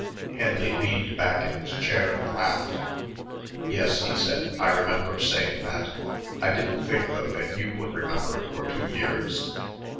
Henley leaned back in his chair and laughed. "Yes," he said, "I remember saying that. I didn't think, though, that you would remember it for two years.